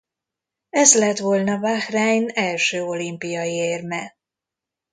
Ez lett volna Bahrein első olimpiai érme.